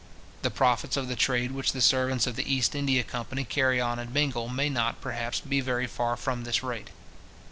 The profits of the trade which the servants of the East India Company carry on in Bengal may not, perhaps, be very far from this rate.